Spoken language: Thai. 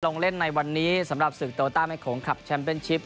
ลงเล่นในวันนี้สำหรับศึกโตต้าแม่โขงคลับแชมเป็นชิป